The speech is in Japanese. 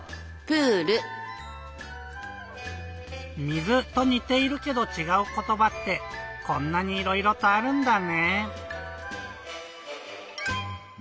「水」とにているけどちがうことばってこんなにいろいろとあるんだね。